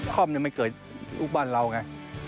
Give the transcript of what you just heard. คอมนี่ไม่เกิดลูกบ้านเราไง